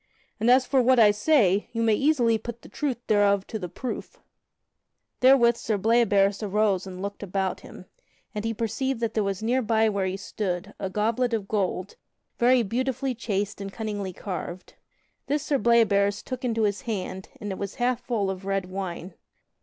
And as for what I say, you may easily put the truth thereof to the proof." [Sidenote: Sir Bleoberis challenges the knights of Cornwall] Therewith Sir Bleoberis arose and looked about him, and he perceived that there was near by where he stood a goblet of gold very beautifully chased and cunningly carved. This Sir Bleoberis took into his hand, and it was half full of red wine.